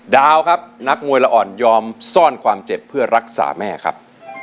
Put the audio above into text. ดาวครับนักมวยละอ่อนยอมซ่อนความเจ็บเพื่อรักษาแม่ครับ